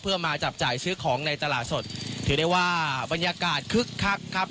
เพื่อมาจับจ่ายซื้อของในตลาดสดถือได้ว่าบรรยากาศคึกคักครับ